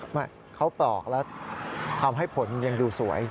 ไม่เขาปลอกแล้วทำให้ผลยังดูสวย